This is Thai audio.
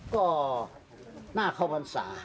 ก็น่าเข้าบรรษา